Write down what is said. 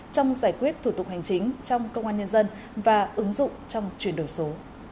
trong giải quyết thủ tục hành chính trong công an nhân dân và ứng dụng trong chuyển đổi số